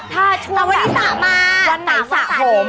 ถ้าช่วงวันที่สระมา๓วันสระที